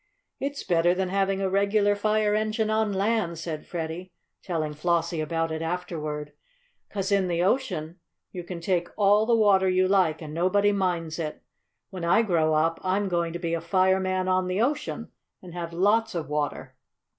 "It's better than having a regular fire engine on land," said Freddie, telling Flossie about it afterward, "'cause in the ocean you can take all the water you like and nobody minds it. When I grow up I'm going to be a fireman on the ocean, and have lots of water."